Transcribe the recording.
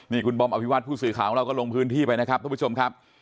นี่คุณบอมอภิวัตผู้สื่อข่าวของเราก็ลงพื้นที่ไปนะครับทุกผู้ชมครับ